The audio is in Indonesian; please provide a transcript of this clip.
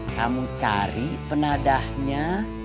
kamu cari penadahnya